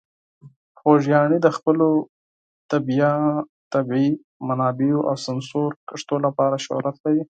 خوږیاڼي د خپلو طبیعي منابعو او سمسور کښتونو لپاره شهرت لري.